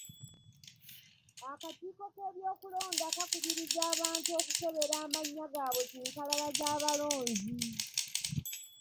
Akakiiko k'ebyokulonda kakubiriza abantu okukebera amannya gaabwe ku nkalala z'abalonzi.